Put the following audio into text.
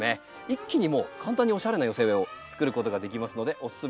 一気にもう簡単におしゃれな寄せ植えをつくることができますのでおすすめです。